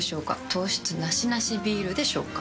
糖質ナシナシビールでしょうか？